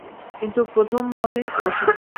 কিন্তু প্রথম মতই প্রসিদ্ধ।